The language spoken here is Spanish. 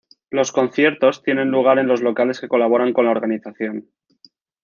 Los conciertos tienen lugar en los locales que colaboran con la organización.